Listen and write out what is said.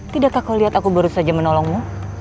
tidakkah kau lihat aku baru saja menolongmu